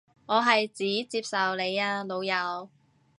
我係指接受你啊老友